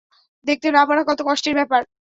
দেখতে না পারা কত কষ্টের ব্যাপার?